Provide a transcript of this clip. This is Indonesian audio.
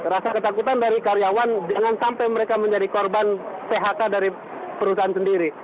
rasa ketakutan dari karyawan jangan sampai mereka menjadi korban phk dari perusahaan sendiri